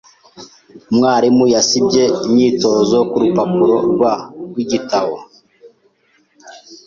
Umwarimu yasibye imyitozo ku rupapuro rwa rwigitabo.